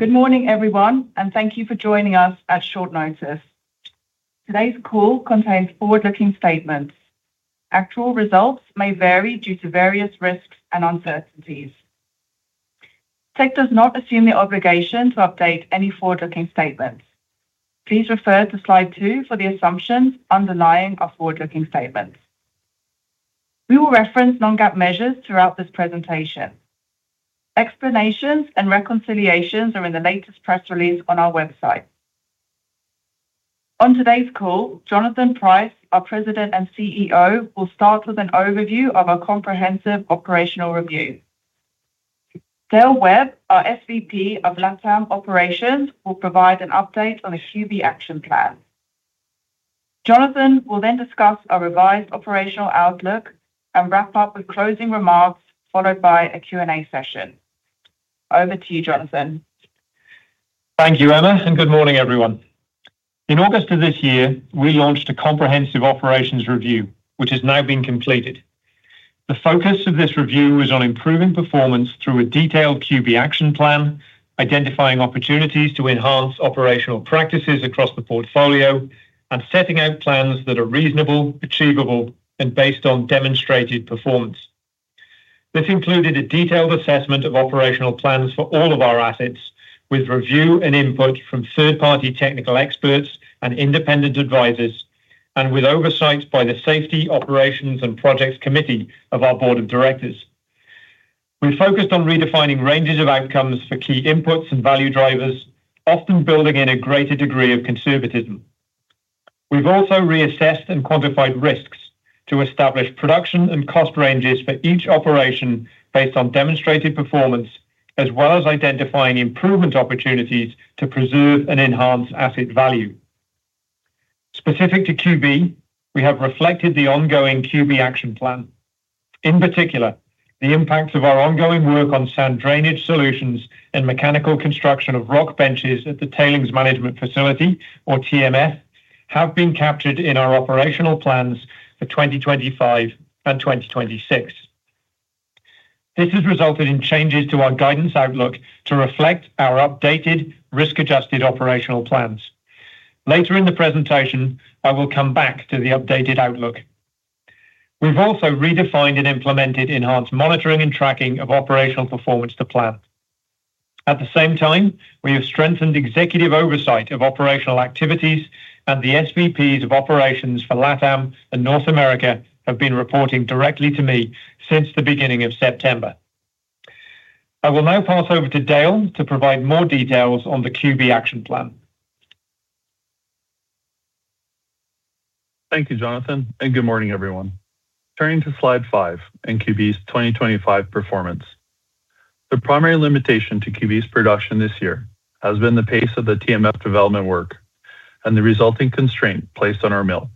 Good morning, everyone, and thank you for joining us at short notice. Today's call contains forward-looking statements. Actual results may vary due to various risks and uncertainties. Teck does not assume the obligation to update any forward-looking statements. Please refer to slide two for the assumptions underlying our forward-looking statements. We will reference Non-GAAP measures throughout this presentation. Explanations and reconciliations are in the latest press release on our website. On today's call, Jonathan Price, our President and CEO, will start with an overview of our comprehensive operational review. Dale Webb, our SVP of LATAM Operations, will provide an update on the QB Action Plan. Jonathan will then discuss our revised operational outlook and wrap up with closing remarks, followed by a Q&A session. Over to you, Jonathan. Thank you, Emma, and good morning, everyone. In August of this year, we launched a comprehensive operations review, which has now been completed. The focus of this review was on improving performance through a detailed QB Action Plan, identifying opportunities to enhance operational practices across the portfolio, and setting out plans that are reasonable, achievable, and based on demonstrated performance. This included a detailed assessment of operational plans for all of our assets, with review and input from third-party technical experts and independent advisors, and with oversight by the Safety, Operations, and Projects Committee of our Board of Directors. We focused on redefining ranges of outcomes for key inputs and value drivers, often building in a greater degree of conservatism. We've also reassessed and quantified risks to establish production and cost ranges for each operation based on demonstrated performance, as well as identifying improvement opportunities to preserve and enhance asset value. Specific to QB, we have reflected the ongoing QB Action Plan. In particular, the impacts of our ongoing work on sand drainage solutions and mechanical construction of rock benches at the Tailings Management Facility, or TMF, have been captured in our operational plans for 2025 and 2026. This has resulted in changes to our guidance outlook to reflect our updated risk-adjusted operational plans. Later in the presentation, I will come back to the updated outlook. We've also redefined and implemented enhanced monitoring and tracking of operational performance to plan. At the same time, we have strengthened executive oversight of operational activities, and the SVPs of Operations for LATAM and North America have been reporting directly to me since the beginning of September. I will now pass over to Dale to provide more details on the QB Action Plan. Thank you, Jonathan, and good morning, everyone. Turning to slide five and QB's 2025 performance, the primary limitation to QB's production this year has been the pace of the TMF development work and the resulting constraint placed on our mill.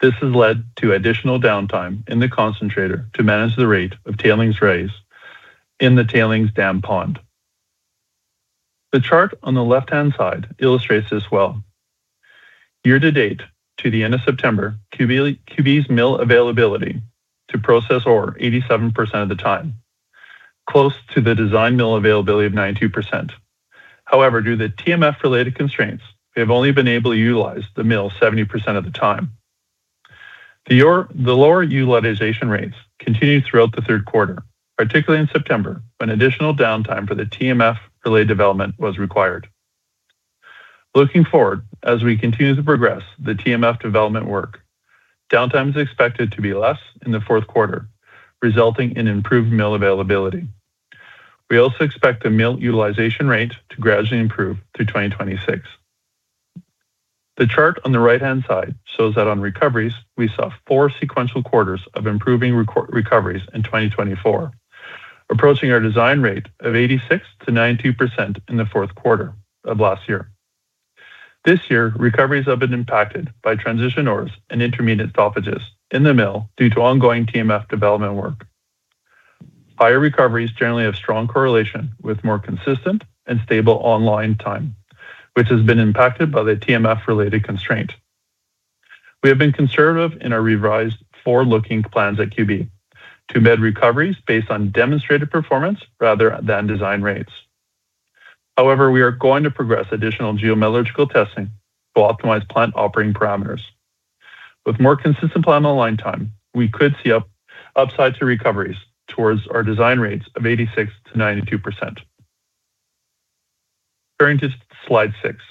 This has led to additional downtime in the concentrator to manage the rate of tailings raise in the tailings dam pond. The chart on the left-hand side illustrates this well. Year-to-date, to the end of September, QB's mill availability to process ore is 87% of the time, close to the design mill availability of 92%. However, due to the TMF-related constraints, we have only been able to utilize the mill 70% of the time. The lower utilization rates continued throughout the third quarter, particularly in September, when additional downtime for the TMF-related development was required. Looking forward, as we continue to progress the TMF development work, downtime is expected to be less in the fourth quarter, resulting in improved mill availability. We also expect the mill utilization rate to gradually improve through 2026. The chart on the right-hand side shows that on recoveries, we saw four sequential quarters of improving recoveries in 2024, approaching our design rate of 86% to 92% in the fourth quarter of last year. This year, recoveries have been impacted by transition ores and intermediate stoppages in the mill due to ongoing TMF development work. Higher recoveries generally have strong correlation with more consistent and stable online time, which has been impacted by the TMF-related constraint. We have been conservative in our revised forward-looking plans at QB to embed recoveries based on demonstrated performance rather than design rates. However, we are going to progress additional geometallurgical testing to optimize plant operating parameters. With more consistent plant online time, we could see upside to recoveries towards our design rates of 86%-92%. Turning to slide six,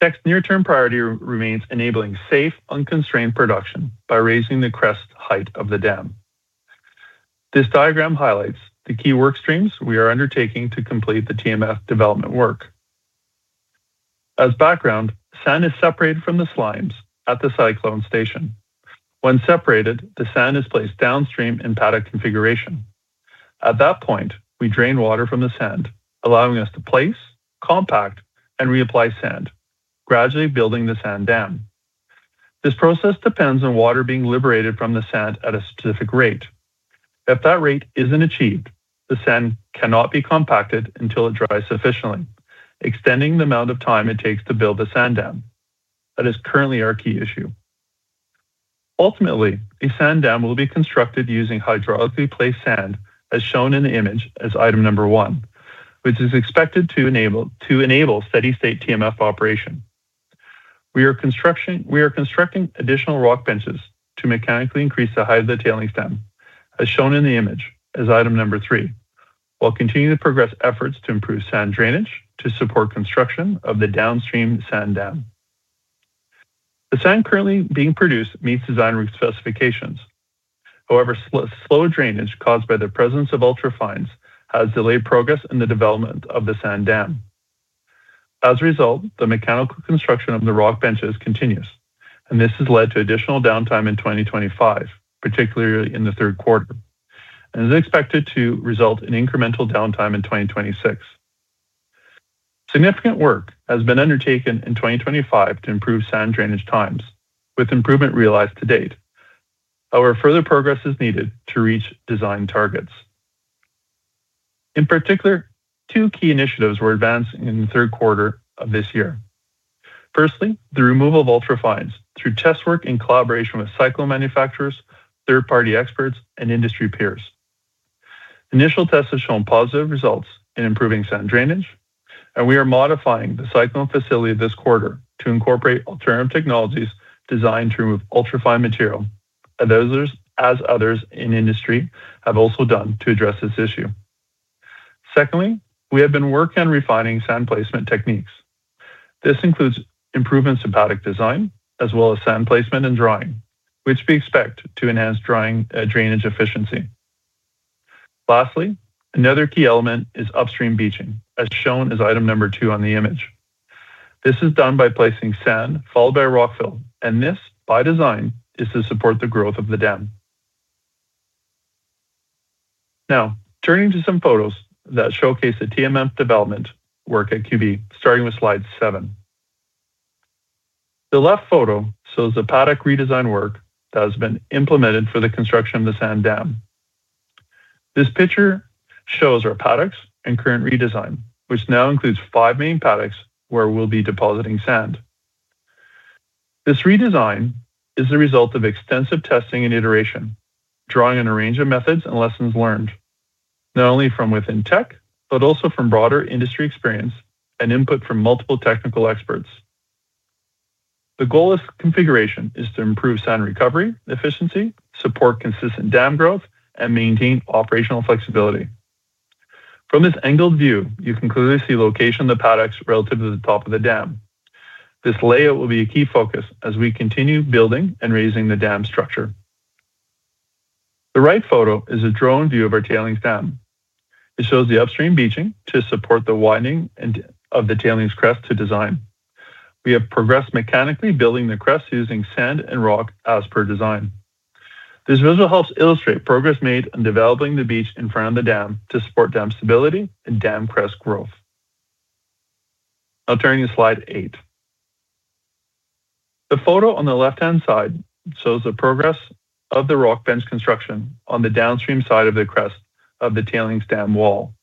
Teck's near-term priority remains enabling safe, unconstrained production by raising the crest height of the dam. This diagram highlights the key work streams we are undertaking to complete the TMF development work. As background, sand is separated from the slimes at the cyclone station. When separated, the sand is placed downstream in paddock configuration. At that point, we drain water from the sand, allowing us to place, compact, and reapply sand, gradually building the sand dam. This process depends on water being liberated from the sand at a specific rate. If that rate isn't achieved, the sand cannot be compacted until it dries sufficiently, extending the amount of time it takes to build the sand dam. That is currently our key issue. Ultimately, a sand dam will be constructed using hydraulically-placed sand, as shown in the image as item number one, which is expected to enable steady-state TMF operation. We are constructing additional rock benches to mechanically increase the height of the tailings dam, as shown in the image as item number three, while continuing to progress efforts to improve sand drainage to support construction of the downstream sand dam. The sand currently being produced meets design rate specifications. However, slow drainage caused by the presence of ultra-fines has delayed progress in the development of the sand dam. As a result, the mechanical construction of the rock benches continues, and this has led to additional downtime in 2025, particularly in the third quarter, and is expected to result in incremental downtime in 2026. Significant work has been undertaken in 2025 to improve sand drainage times, with improvement realized to date. However, further progress is needed to reach design targets. In particular, two key initiatives were advanced in the third quarter of this year. Firstly, the removal of ultra-fines through test work in collaboration with cyclone manufacturers, third-party experts, and industry peers. Initial tests have shown positive results in improving sand drainage, and we are modifying the cyclone facility this quarter to incorporate alternative technologies designed to remove ultra-fine material, as others in industry have also done to address this issue. Secondly, we have been working on refining sand placement techniques. This includes improvements in paddock design, as well as sand placement and drying, which we expect to enhance drainage efficiency. Lastly, another key element is upstream beaching, as shown as item number two on the image. This is done by placing sand followed by rockfill, and this, by design, is to support the growth of the dam. Now, turning to some photos that showcase the TMF development work at QB, starting with slide seven. The left photo shows the paddock redesign work that has been implemented for the construction of the sand dam. This picture shows our paddocks and current redesign, which now includes five main paddocks where we'll be depositing sand. This redesign is the result of extensive testing and iteration, drawing on a range of methods and lessons learned, not only from within Teck, but also from broader industry experience and input from multiple technical experts. The goal of this configuration is to improve sand recovery, efficiency, support consistent dam growth, and maintain operational flexibility. From this angled view, you can clearly see the location of the paddocks relative to the top of the dam. This layout will be a key focus as we continue building and raising the dam structure. The right photo is a drone view of our tailings dam. It shows the upstream beaching to support the widening of the tailings crest to design. We have progressed mechanically building the crest using sand and rock as per design. This visual helps illustrate progress made on developing the beach in front of the dam to support dam stability and dam crest growth. Now, turning to slide eight, the photo on the left-hand side shows the progress of the rock bench construction on the downstream side of the crest of the tailings dam wall.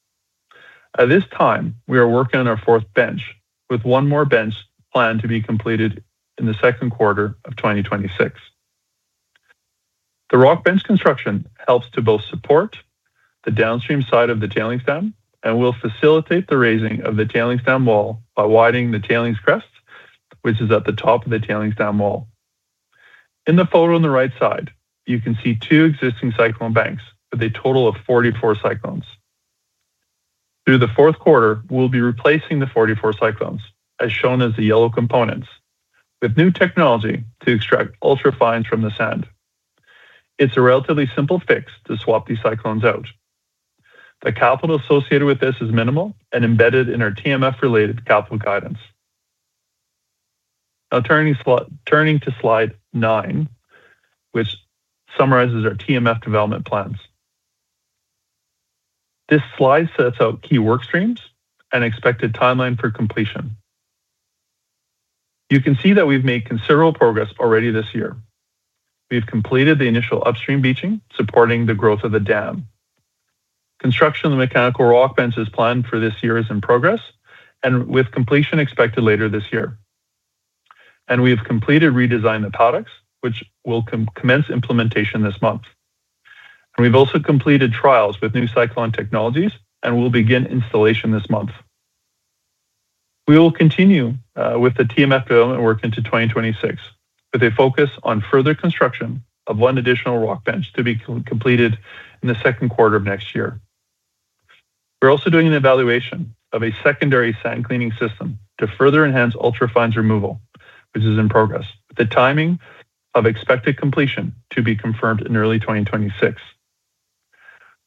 At this time, we are working on our fourth bench, with one more bench planned to be completed in the second quarter of 2026. The rock bench construction helps to both support the downstream side of the tailings dam and will facilitate the raising of the tailings dam wall by widening the tailings crest, which is at the top of the tailings dam wall. In the photo on the right side, you can see two existing cyclone banks with a total of 44 cyclones. Through the fourth quarter, we'll be replacing the 44 cyclones, as shown as the yellow components, with new technology to extract ultra-fines from the sand. It's a relatively simple fix to swap these cyclones out. The capital associated with this is minimal and embedded in our TMF-related capital guidance. Now, turning to slide nine, which summarizes our TMF development plans. This slide sets out key work streams and expected timeline for completion. You can see that we've made considerable progress already this year. We've completed the initial upstream beaching, supporting the growth of the dam. Construction of the mechanical rock benches planned for this year is in progress, and with completion expected later this year. And we have completed redesign of paddocks, which will commence implementation this month. And we've also completed trials with new cyclone technologies and will begin installation this month. We will continue with the TMF development work into 2026, with a focus on further construction of one additional rock bench to be completed in the second quarter of next year. We're also doing an evaluation of a secondary sand cleaning system to further enhance ultra-fines removal, which is in progress, with the timing of expected completion to be confirmed in early 2026.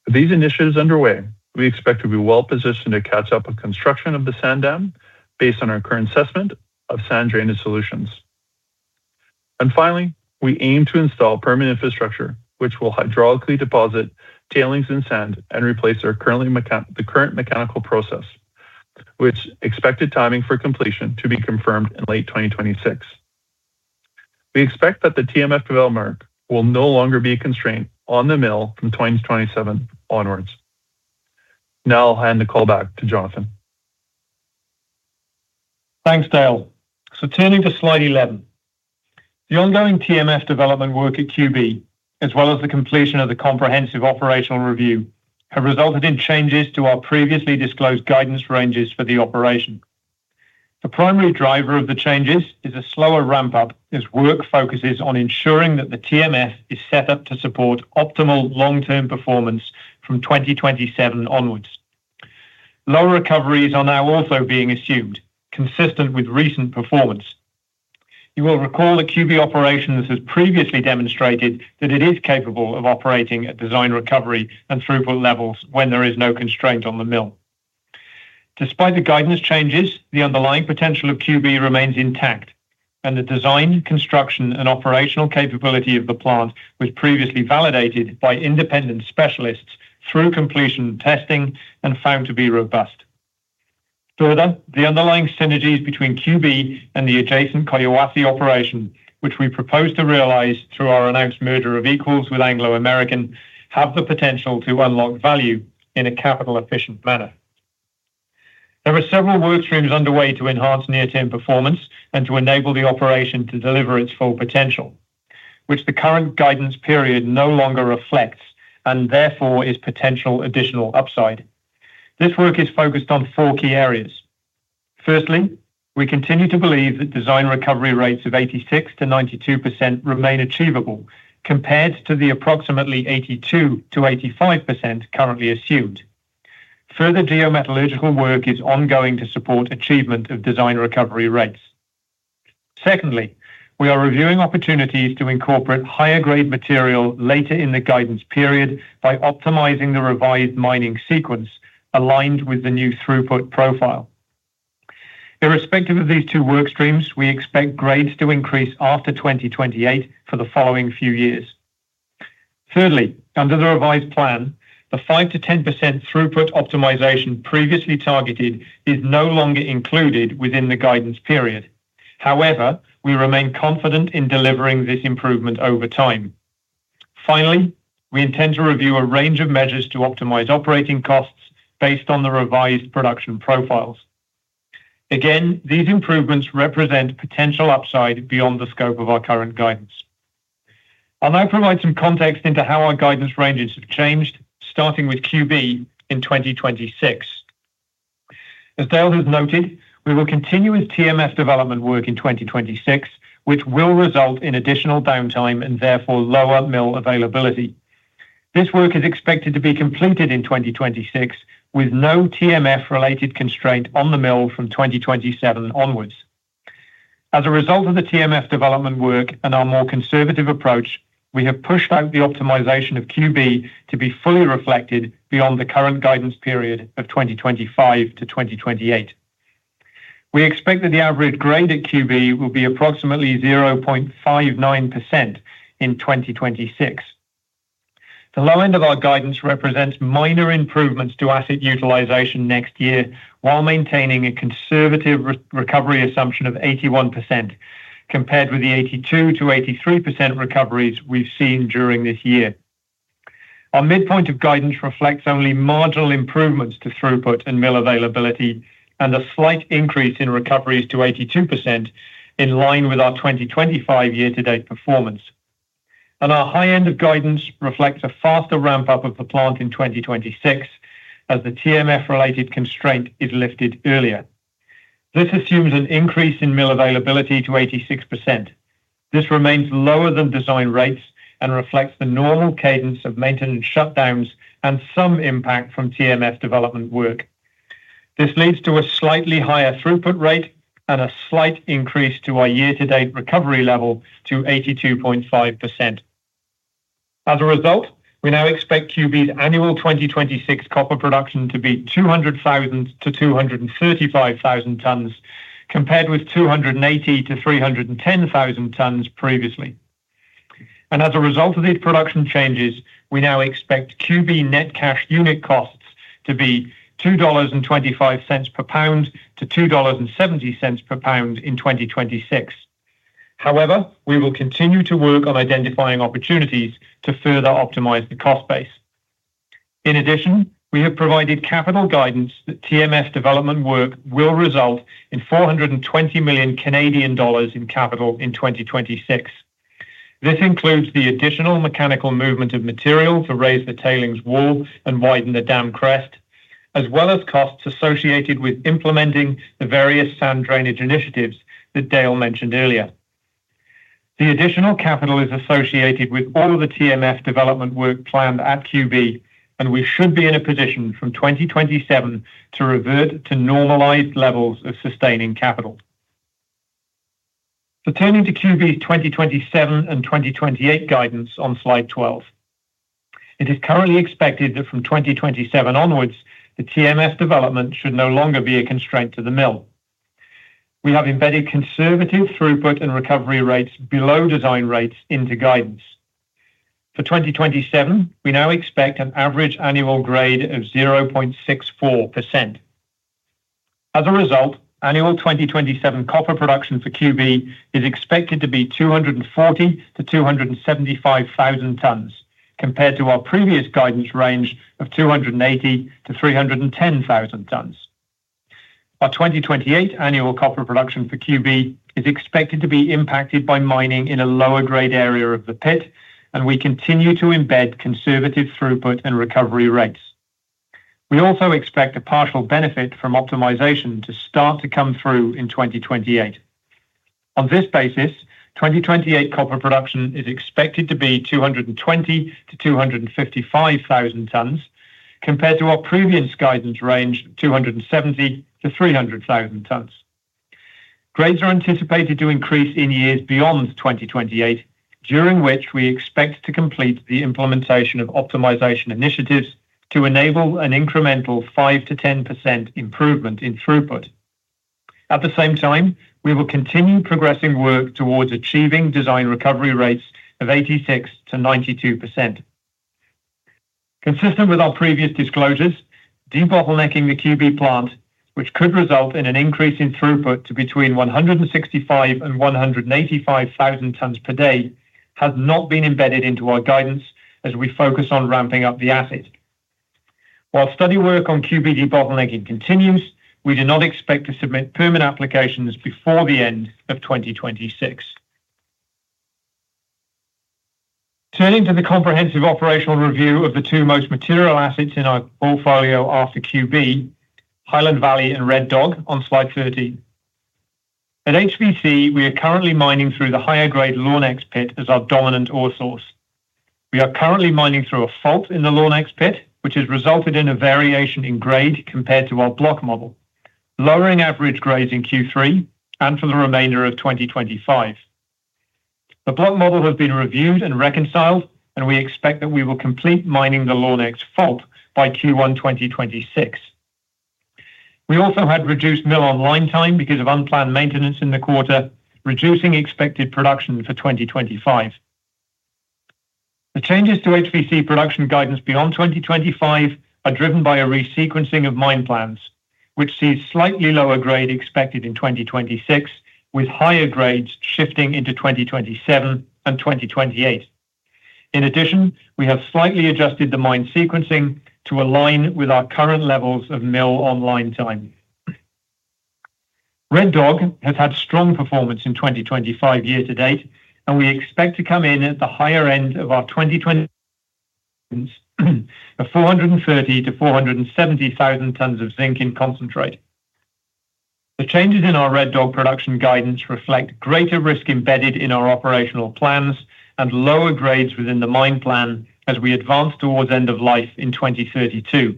With these initiatives underway, we expect to be well-positioned to catch up on construction of the sand dam based on our current assessment of sand drainage solutions. And finally, we aim to install permanent infrastructure, which will hydraulically deposit tailings and sand and replace the current mechanical process, with expected timing for completion to be confirmed in late 2026. We expect that the TMF development work will no longer be a constraint on the mill from 2027 onwards. Now, I'll hand the call back to Jonathan. Thanks, Dale. So, turning to slide 11, the ongoing TMF development work at QB, as well as the completion of the comprehensive operational review, have resulted in changes to our previously disclosed guidance ranges for the operation. The primary driver of the changes is a slower ramp-up as work focuses on ensuring that the TMF is set up to support optimal long-term performance from 2027 onward. Lower recoveries are now also being assumed, consistent with recent performance. You will recall that QB operations has previously demonstrated that it is capable of operating at design recovery and throughput levels when there is no constraint on the mill. Despite the guidance changes, the underlying potential of QB remains intact, and the design, construction, and operational capability of the plant was previously validated by independent specialists through completion testing and found to be robust. Further, the underlying synergies between QB and the adjacent Collahuasi operation, which we propose to realize through our announced merger of equals with Anglo American, have the potential to unlock value in a capital-efficient manner. There are several work streams underway to enhance near-term performance and to enable the operation to deliver its full potential, which the current guidance period no longer reflects and therefore is potential additional upside. This work is focused on four key areas. Firstly, we continue to believe that design recovery rates of 86%-92% remain achievable compared to the approximately 82%-85% currently assumed. Further geometallurgical work is ongoing to support achievement of design recovery rates. Secondly, we are reviewing opportunities to incorporate higher-grade material later in the guidance period by optimizing the revised mining sequence aligned with the new throughput profile. Irrespective of these two work streams, we expect grades to increase after 2028 for the following few years. Thirdly, under the revised plan, the 5%-10% throughput optimization previously targeted is no longer included within the guidance period. However, we remain confident in delivering this improvement over time. Finally, we intend to review a range of measures to optimize operating costs based on the revised production profiles. Again, these improvements represent potential upside beyond the scope of our current guidance. I'll now provide some context into how our guidance ranges have changed, starting with QB in 2026. As Dale has noted, we will continue with TMF development work in 2026, which will result in additional downtime and therefore lower mill availability. This work is expected to be completed in 2026 with no TMF-related constraint on the mill from 2027 onwards. As a result of the TMF development work and our more conservative approach, we have pushed out the optimization of QB to be fully reflected beyond the current guidance period of 2025-2028. We expect that the average grade at QB will be approximately 0.59% in 2026. The low end of our guidance represents minor improvements to asset utilization next year while maintaining a conservative recovery assumption of 81% compared with the 82%-83% recoveries we've seen during this year. Our midpoint of guidance reflects only marginal improvements to throughput and mill availability and a slight increase in recoveries to 82% in line with our 2025 year-to-date performance, and our high-end of guidance reflects a faster ramp-up of the plant in 2026 as the TMF-related constraint is lifted earlier. This assumes an increase in mill availability to 86%. This remains lower than design rates and reflects the normal cadence of maintenance shutdowns and some impact from TMF development work. This leads to a slightly higher throughput rate and a slight increase to our year-to-date recovery level to 82.5%. As a result, we now expect QB's annual 2026 copper production to be 200,000-235,000 tons compared with 280,000-310,000 tons previously. And as a result of these production changes, we now expect QB net cash unit costs to be $2.25-$2.70 per pound in 2026. However, we will continue to work on identifying opportunities to further optimize the cost base. In addition, we have provided capital guidance that TMF development work will result in 420 million Canadian dollars in capital in 2026. This includes the additional mechanical movement of material to raise the tailings wall and widen the dam crest, as well as costs associated with implementing the various sand drainage initiatives that Dale mentioned earlier. The additional capital is associated with all of the TMF development work planned at QB, and we should be in a position from 2027 to revert to normalized levels of sustaining capital. So, turning to QB's 2027 and 2028 guidance on slide 12, it is currently expected that from 2027 onwards, the TMF development should no longer be a constraint to the mill. We have embedded conservative throughput and recovery rates below design rates into guidance. For 2027, we now expect an average annual grade of 0.64%. As a result, annual 2027 copper production for QB is expected to be 240,000-275,000 tons compared to our previous guidance range of 280,000-310,000 tons. Our 2028 annual copper production for QB is expected to be impacted by mining in a lower-grade area open-pit, and we continue to embed conservative throughput and recovery rates. We also expect a partial benefit from optimization to start to come through in 2028. On this basis, 2028 copper production is expected to be 220,000-255,000 tons compared to our previous guidance range of 270,000-300,000 tons. Grades are anticipated to increase in years beyond 2028, during which we expect to complete the implementation of optimization initiatives to enable an incremental 5%-10% improvement in throughput. At the same time, we will continue progressing work towards achieving design recovery rates of 86%-92%. Consistent with our previous disclosures, debottlenecking the QB plant, which could result in an increase in throughput to between 165,000 and 185,000 tons per day, has not been embedded into our guidance as we focus on ramping up the asset. While study work on QB debottlenecking continues, we do not expect to submit permanent applications before the end of 2026. Turning to the comprehensive operational review of the two most material assets in our portfolio after QB, Highland Valley and Red Dog on slide 13. At HVC, we are currently mining through the higher-grade Lornex Pit as our dominant ore source. We are currently mining through a fault in the Lornex Pit, which has resulted in a variation in grade compared to our block model, lowering average grades in Q3 and for the remainder of 2025. The block model has been reviewed and reconciled, and we expect that we will complete mining the Lornex Fault by Q1 2026. We also had reduced mill online time because of unplanned maintenance in the quarter, reducing expected production for 2025. The changes to HVC production guidance beyond 2025 are driven by a resequencing of mine plans, which sees slightly lower grade expected in 2026, with higher grades shifting into 2027 and 2028. In addition, we have slightly adjusted the mine sequencing to align with our current levels of mill online time. Red Dog has had strong performance in 2025 year-to-date, and we expect to come in at the higher end of our 2020 guidance of 430,000-470,000 tons of zinc in concentrate. The changes in our Red Dog production guidance reflect greater risk embedded in our operational plans and lower grades within the mine plan as we advance towards end of life in 2032.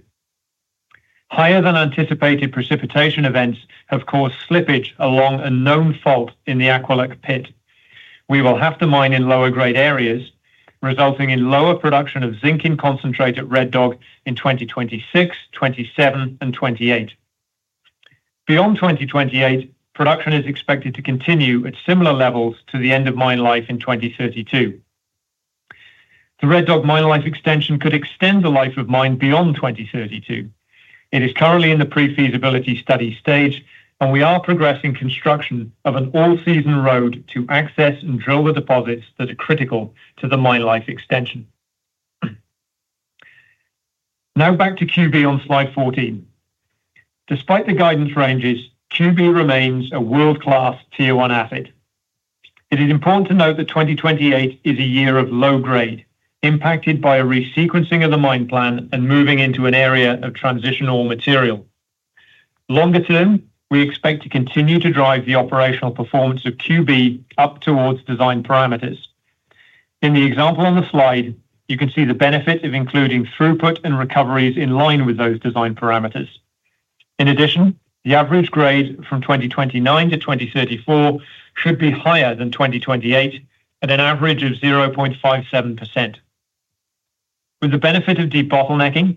Higher-than-anticipated precipitation events have caused slippage along a known fault in the Aqqaluk Pit. We will have to mine in lower-grade areas, resulting in lower production of zinc in concentrate at Red Dog in 2026, 2027, and 2028. Beyond 2028, production is expected to continue at similar levels to the end of mine life in 2032. The Red Dog mine life extension could extend the life of mine beyond 2032. It is currently in the pre-feasibility study stage, and we are progressing construction of an all-season road to access and drill the deposits that are critical to the mine life extension. Now, back to QB on slide 14. Despite the guidance ranges, QB remains a world-class tier-one asset. It is important to note that 2028 is a year of low-grade, impacted by a resequencing of the mine plan and moving into an area of transitional material. Longer term, we expect to continue to drive the operational performance of QB up towards design parameters. In the example on the slide, you can see the benefit of including throughput and recoveries in line with those design parameters. In addition, the average grade from 2029 to 2034 should be higher than 2028 at an average of 0.57%. With the benefit of debottlenecking,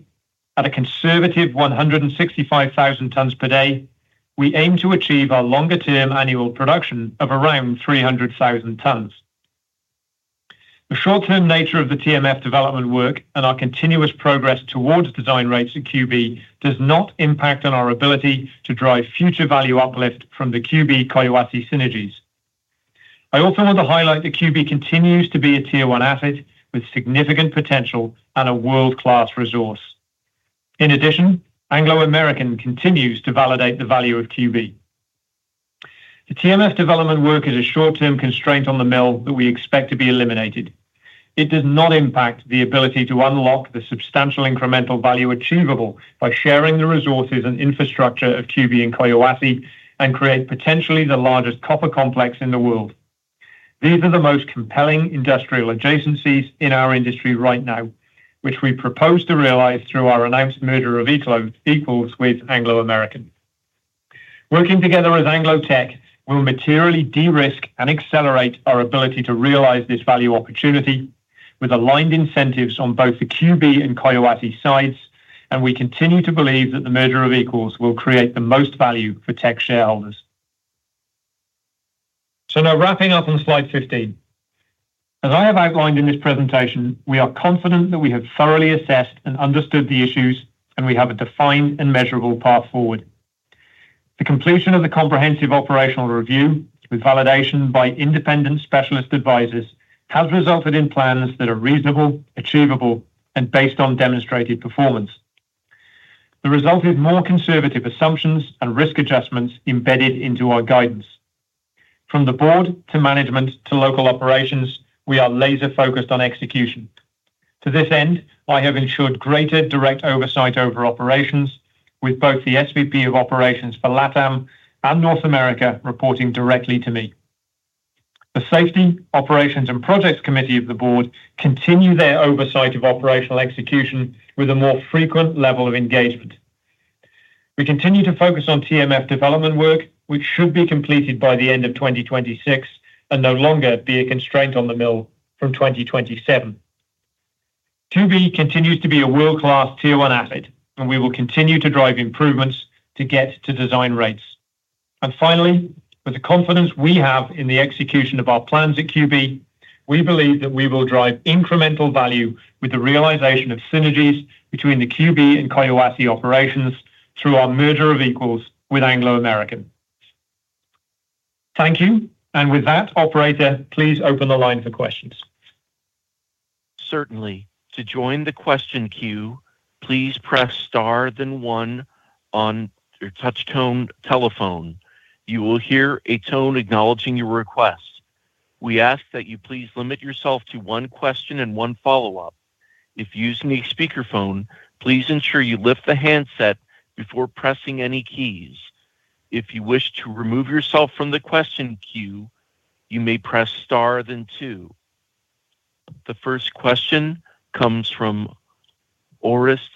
at a conservative 165,000 tons per day, we aim to achieve our longer-term annual production of around 300,000 tons. The short-term nature of the TMF development work and our continuous progress towards design rates at QB does not impact on our ability to drive future value uplift from the QB Collahuasi synergies. I also want to highlight that QB continues to be a tier-one asset with significant potential and a world-class resource. In addition, Anglo American continues to validate the value of QB. The TMF development work is a short-term constraint on the mill that we expect to be eliminated. It does not impact the ability to unlock the substantial incremental value achievable by sharing the resources and infrastructure of QB and Collahuasi and create potentially the largest copper complex in the world. These are the most compelling industrial adjacencies in our industry right now, which we propose to realize through our announced merger of equals with Anglo American. Working together with Anglo Teck, we'll materially de-risk and accelerate our ability to realize this value opportunity with aligned incentives on both the QB and Collahuasi sides, and we continue to believe that the merger of equals will create the most value for Teck shareholders. So now, wrapping up on slide 15. As I have outlined in this presentation, we are confident that we have thoroughly assessed and understood the issues, and we have a defined and measurable path forward. The completion of the comprehensive operational review with validation by independent specialist advisors has resulted in plans that are reasonable, achievable, and based on demonstrated performance. The result is more conservative assumptions and risk adjustments embedded into our guidance. From the board to management to local operations, we are laser-focused on execution. To this end, I have ensured greater direct oversight over operations, with both the SVP of Operations for LATAM and North America reporting directly to me. The Safety, Operations, and Projects Committee of the Board continue their oversight of operational execution with a more frequent level of engagement. We continue to focus on TMF development work, which should be completed by the end of 2026 and no longer be a constraint on the mill from 2027. QB continues to be a world-class tier-one asset, and we will continue to drive improvements to get to design rates. And finally, with the confidence we have in the execution of our plans at QB, we believe that we will drive incremental value with the realization of synergies between the QB and Collahuasi operations through our merger of equals with Anglo American. Thank you. And with that, Operator, please open the line for questions. Certainly. To join the question queue, please press star then one on your touch-tone telephone. You will hear a tone acknowledging your request. We ask that you please limit yourself to one question and one follow-up. If using a speakerphone, please ensure you lift the handset before pressing any keys. If you wish to remove yourself from the question queue, you may press star then two. The first question comes from Orest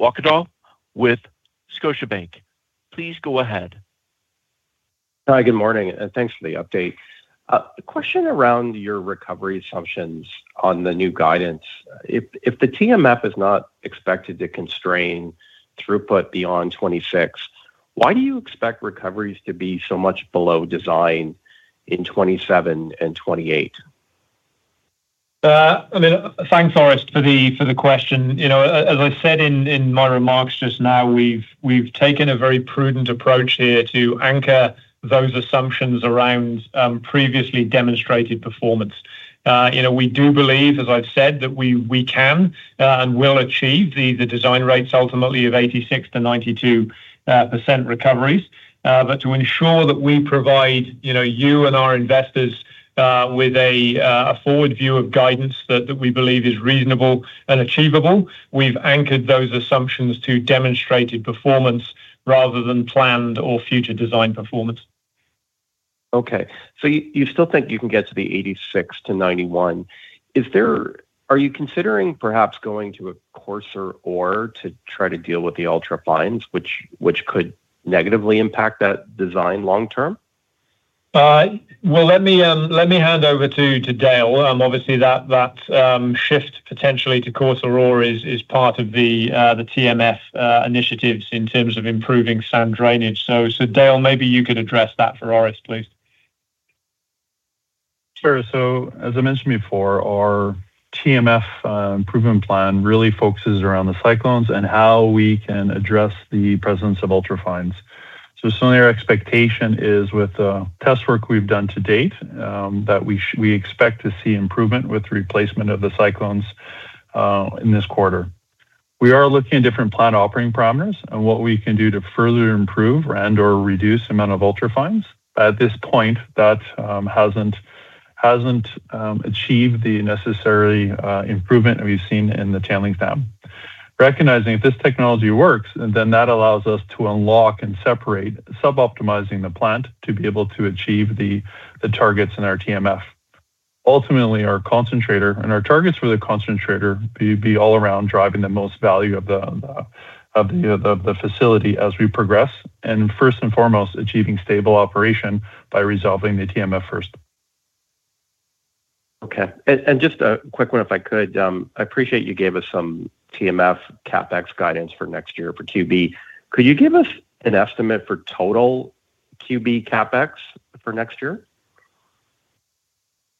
Wowkodaw with Scotiabank. Please go ahead. Hi, good morning. Thanks for the update. The question around your recovery assumptions on the new guidance: if the TMF is not expected to constrain throughput beyond 2026, why do you expect recoveries to be so much below design in 2027 and 2028? I mean, thanks, Orest, for the question. As I said in my remarks just now, we've taken a very prudent approach here to anchor those assumptions around previously demonstrated performance. We do believe, as I've said, that we can and will achieve the design rates ultimately of 86%-92% recoveries. But to ensure that we provide you and our investors with a forward view of guidance that we believe is reasonable and achievable, we've anchored those assumptions to demonstrated performance rather than planned or future design performance. Okay. So you still think you can get to the 86%-91%. Are you considering perhaps going to a coarser ore to try to deal with the ultra-fines, which could negatively impact that design long-term? Well, let me hand over to Dale. Obviously, that shift potentially to coarser ore is part of the TMF initiatives in terms of improving sand drainage. So, Dale, maybe you could address that for Orest, please. Sure. So, as I mentioned before, our TMF improvement plan really focuses around the cyclones and how we can address the presence of ultra-fines. So some of your expectation is, with the test work we've done to date, that we expect to see improvement with replacement of the cyclones in this quarter. We are looking at different plant operating parameters and what we can do to further improve and/or reduce the amount of ultra-fines. At this point, that hasn't achieved the necessary improvement we've seen in the Quebrada Blanca. Recognizing if this technology works, then that allows us to unlock and separate, sub-optimizing the plant to be able to achieve the targets in our TMF. Ultimately, our concentrator and our targets for the concentrator will be all around driving the most value of the facility as we progress and, first and foremost, achieving stable operation by resolving the TMF first. Okay. And just a quick one, if I could. I appreciate you gave us some TMF CapEx guidance for next year for QB. Could you give us an estimate for total QB CapEx for next year?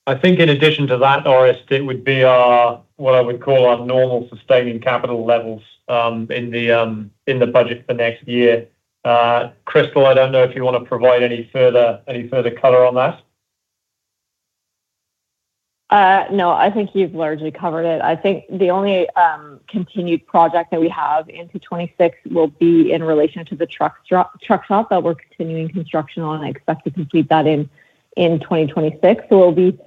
I think in addition to that, Orest, it would be what I would call our normal sustaining capital levels in the budget for next year. Crystal, I don't know if you want to provide any further color on that. No, I think you've largely covered it. I think the only continued project that we have into 2026 will be in relation to the truck shop that we're continuing construction on and expect to complete that in 2026. So it'll be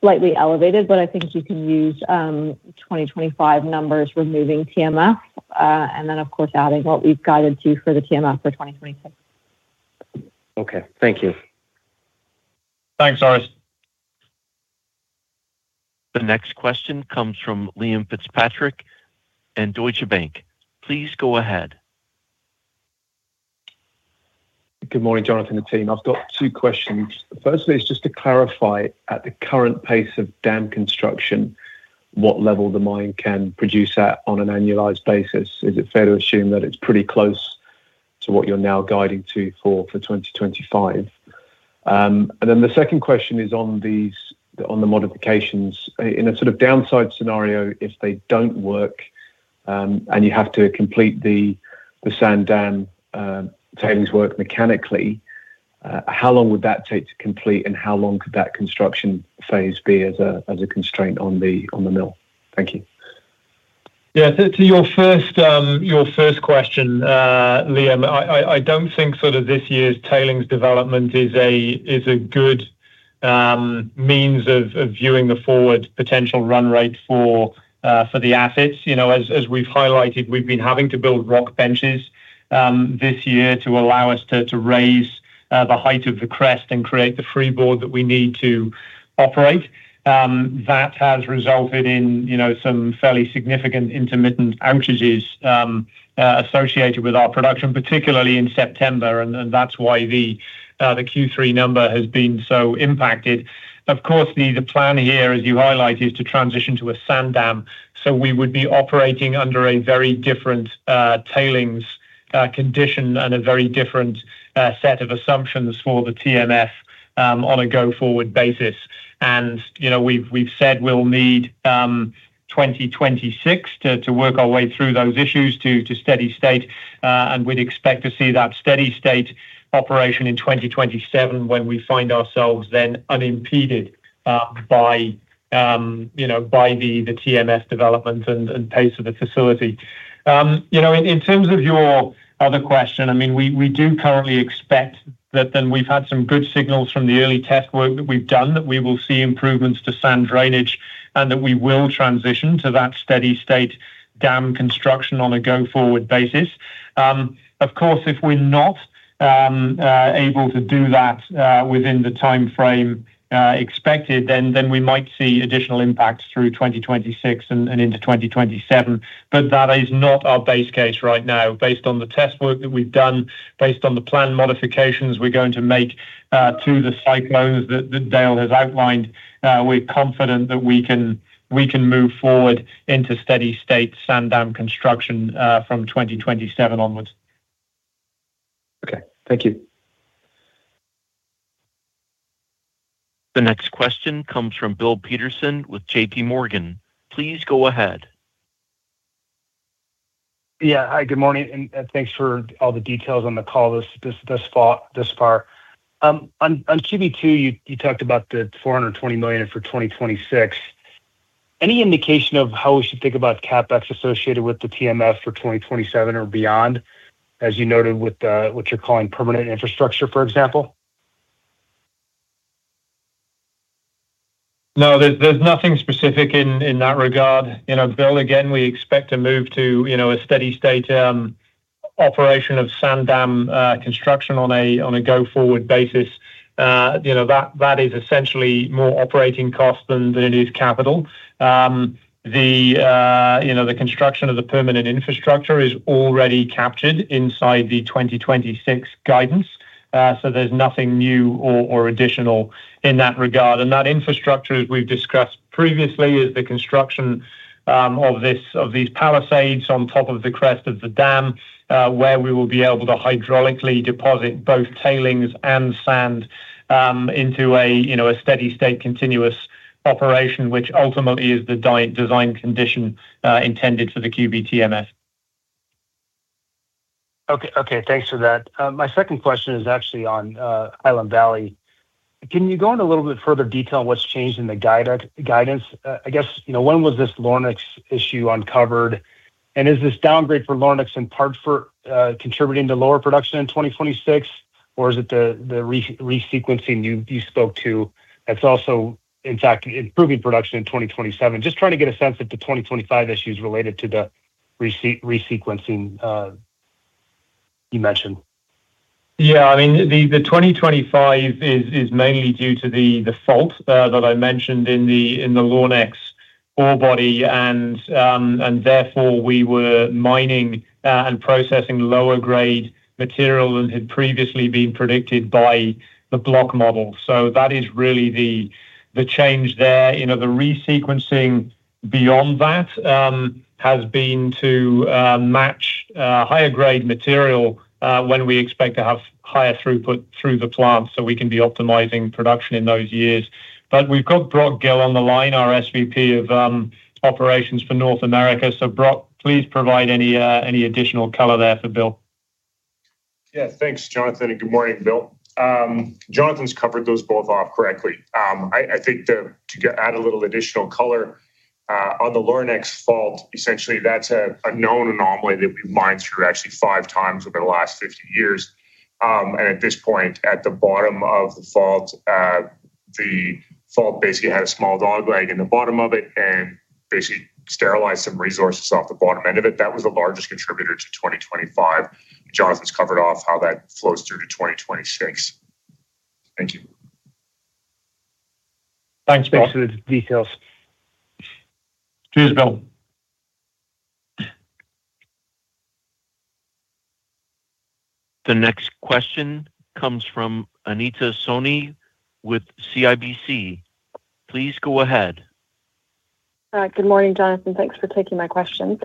slightly elevated, but I think you can use 2025 numbers removing TMF and then, of course, adding what we've guided to for the TMF for 2026. Okay. Thank you. Thanks, Orest. The next question comes from Liam Fitzpatrick and Deutsche Bank. Please go ahead. Good morning, Jonathan and team. I've got two questions. Firstly, it's just to clarify at the current pace of dam construction, what level the mine can produce at on an annualized basis. Is it fair to assume that it's pretty close to what you're now guiding to for 2025? And then the second question is on the modifications. In a sort of downside scenario, if they don't work and you have to complete the sand dam tailings work mechanically, how long would that take to complete, and how long could that construction phase be as a constraint on the mill? Thank you. Yeah. To your first question, Liam, I don't think sort of this year's tailings development is a good means of viewing the forward potential run rate for the assets. As we've highlighted, we've been having to build rock benches this year to allow us to raise the height of the crest and create the freeboard that we need to operate. That has resulted in some fairly significant intermittent outages associated with our production, particularly in September, and that's why the Q3 number has been so impacted. Of course, the plan here, as you highlight, is to transition to a sand dam. So we would be operating under a very different tailings condition and a very different set of assumptions for the TMF on a go-forward basis. And we've said we'll need 2026 to work our way through those issues to steady-state, and we'd expect to see that steady-state operation in 2027 when we find ourselves then unimpeded by the TMF development and pace of the facility. In terms of your other question, I mean, we do currently expect that. Then we've had some good signals from the early test work that we've done that we will see improvements to sand drainage and that we will transition to that steady-state dam construction on a go-forward basis. Of course, if we're not able to do that within the timeframe expected, then we might see additional impacts through 2026 and into 2027. But that is not our base case right now. Based on the test work that we've done, based on the plan modifications we're going to make to the cyclones that Dale has outlined, we're confident that we can move forward into steady-state sand dam construction from 2027 onwards. Okay. Thank you. The next question comes from Bill Peterson with JPMorgan. Please go ahead. Yeah. Hi, good morning. And thanks for all the details on the call this far. On QB2, you talked about the $420 million for 2026. Any indication of how we should think about CapEx associated with the TMF for 2027 or beyond, as you noted with what you're calling permanent infrastructure, for example? No, there's nothing specific in that regard. Bill, again, we expect to move to a steady-state operation of sand dam construction on a go-forward basis. That is essentially more operating cost than it is capital. The construction of the permanent infrastructure is already captured inside the 2026 guidance, so there's nothing new or additional in that regard. And that infrastructure, as we've discussed previously, is the construction of these palisades on top of the crest of the dam where we will be able to hydraulically deposit both tailings and sand into a steady-state continuous operation, which ultimately is the design condition intended for the QB TMF. Okay. Okay. Thanks for that. My second question is actually on Highland Valley. Can you go into a little bit further detail on what's changed in the guidance? I guess, when was this Lornex issue uncovered? And is this downgrade for Lornex in part for contributing to lower production in 2026, or is it the resequencing you spoke to that's also, in fact, improving production in 2027? Just trying to get a sense of the 2025 issues related to the resequencing you mentioned. Yeah. I mean, the 2025 is mainly due to the fault that I mentioned in the Lornex ore body, and therefore, we were mining and processing lower-grade material and had previously been predicted by the block model. So that is really the change there. The resequencing beyond that has been to match higher-grade material when we expect to have higher throughput through the plant so we can be optimizing production in those years. But we've got Brock Gill on the line, our SVP of Operations for North America. So, Brock, please provide any additional color there for Bill. Yeah. Thanks, Jonathan. And good morning, Bill. Jonathan's covered those both off correctly. I think to add a little additional color on the Lornex Fault, essentially, that's a known anomaly that we've mined through actually five times over the last 50 years. At this point, at the bottom of the fault, the fault basically had a small dogleg in the bottom of it and basically sterilized some resources off the bottom end of it. That was the largest contributor to 2025. Jonathan's covered off how that flows through to 2026. Thank you. Thanks for the details. Cheers, Bill. The next question comes from Anita Soni with CIBC. Please go ahead. Good morning, Jonathan. Thanks for taking my questions.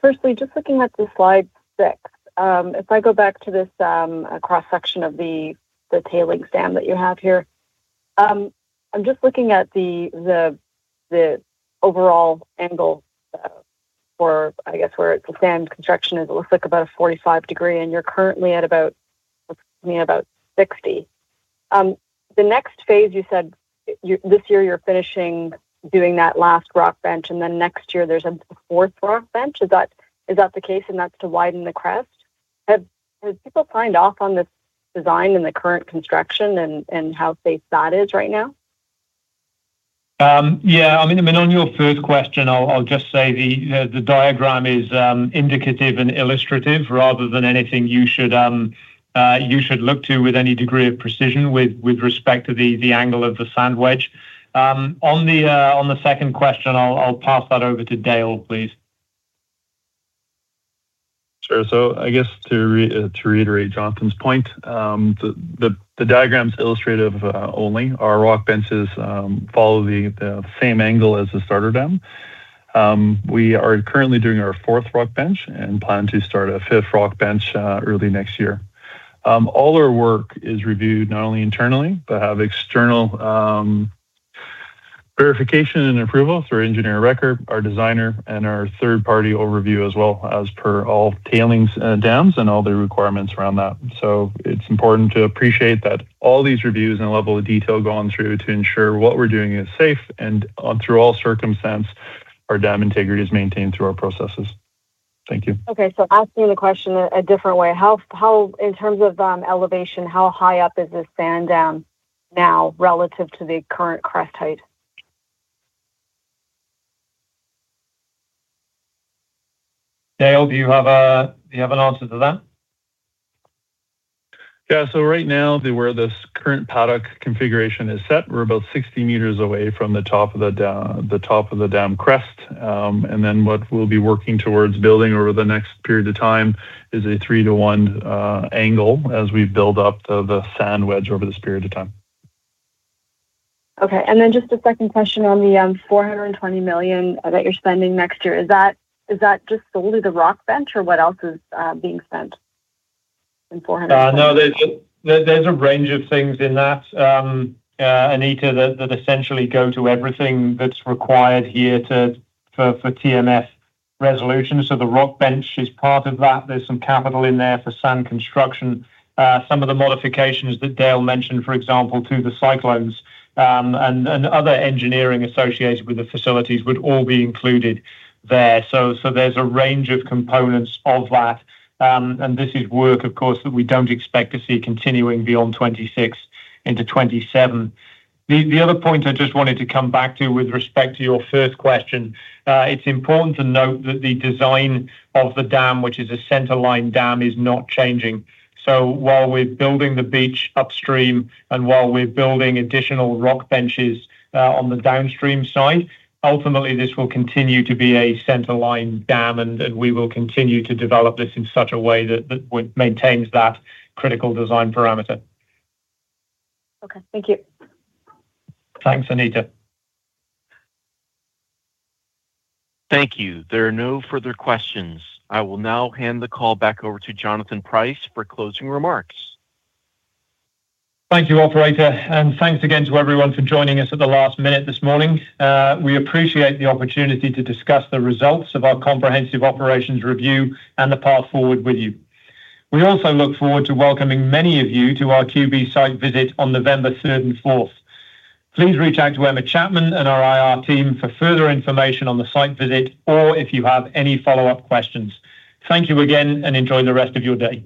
Firstly, just looking at the slide six, if I go back to this cross-section of the tailings dam that you have here, I'm just looking at the overall angle for, I guess, where the sand construction is. It looks like about a 45-degree angle. You're currently at about, looks to me, about 60. The next phase, you said this year you're finishing doing that last rock bench, and then next year there's a fourth rock bench. Is that the case? And that's to widen the crest? Have people signed off on this design and the current construction and how safe that is right now? Yeah. I mean, on your first question, I'll just say the diagram is indicative and illustrative rather than anything you should look to with any degree of precision with respect to the angle of the sand wedge. On the second question, I'll pass that over to Dale, please. Sure. So I guess to reiterate Jonathan's point, the diagram's illustrative only. Our rock benches follow the same angle as the starter dam. We are currently doing our fourth rock bench and plan to start a fifth rock bench early next year. All our work is reviewed not only internally but have external verification and approval through engineering record, our designer, and our third-party overview as well as per all tailings dams and all the requirements around that. So it's important to appreciate that all these reviews and level of detail going through to ensure what we're doing is safe and, under all circumstances, our dam integrity is maintained through our processes. Thank you. Okay, so asking the question a different way. In terms of elevation, how high up is this sand dam now relative to the current crest height? Dale, do you have an answer to that? Yeah, so right now, where this current paddock configuration is set, we're about 60 meters away from the top of the dam crest. And then what we'll be working towards building over the next period of time is a three-to-one angle as we build up the sand wedge over this period of time. Okay. And then just a second question on the $420 million that you're spending next year. Is that just solely the rock bench, or what else is being spent in $400 million? No, there's a range of things in that, Anita, that essentially go to everything that's required here for TMF resolution. So the rock bench is part of that. There's some capital in there for sand construction. Some of the modifications that Dale mentioned, for example, to the cyclones and other engineering associated with the facilities would all be included there. So there's a range of components of that. And this is work, of course, that we don't expect to see continuing beyond 2026 into 2027. The other point I just wanted to come back to with respect to your first question, it's important to note that the design of the dam, which is a centerline dam, is not changing. So while we're building the beach upstream and while we're building additional rock benches on the downstream side, ultimately, this will continue to be a centerline dam, and we will continue to develop this in such a way that maintains that critical design parameter. Okay. Thank you. Thanks, Anita. Thank you. There are no further questions. I will now hand the call back over to Jonathan Price for closing remarks. Thank you, Operator. And thanks again to everyone for joining us at the last minute this morning. We appreciate the opportunity to discuss the results of our comprehensive operations review and the path forward with you. We also look forward to welcoming many of you to our QB site visit on November 3rd and 4th. Please reach out to Emma Chapman and our IR team for further information on the site visit or if you have any follow-up questions. Thank you again, and enjoy the rest of your day.